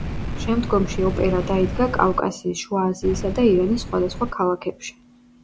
შემდგომში ოპერა დაიდგა კავკასიის, შუა აზიისა და ირანის სხვადასხვა ქალაქებში.